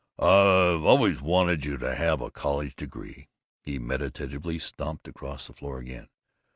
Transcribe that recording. "I've always wanted you to have a college degree." He meditatively stamped across the floor again.